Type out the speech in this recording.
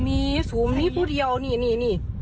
หนี้สูงนี้อย่างนี้นี่นี้